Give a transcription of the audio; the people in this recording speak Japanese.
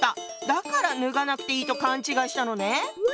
だからぬがなくていいと勘違いしたのね。